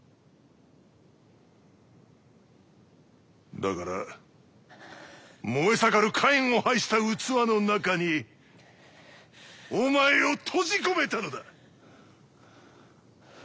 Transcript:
だから燃えさかる火炎を配した器の中にお前を閉じ込めたのだ！